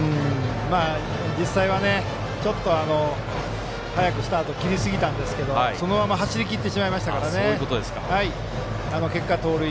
実際はちょっと早くスタートを切りすぎましたがそのまま走りきってしまったので結果、盗塁。